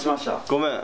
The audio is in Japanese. ごめん。